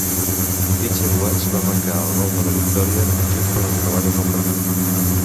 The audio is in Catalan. Fletcher Watts va marcar el gol de la victòria just a les acaballes del partit.